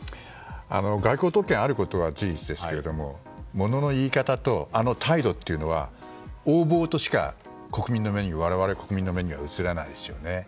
外交特権があるのは事実ですけどものの言い方とあの態度というのは横暴としか我々国民の目には映らないですよね。